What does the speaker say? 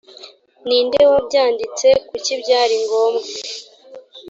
ni nde wabyanditse kuki byari ngombwa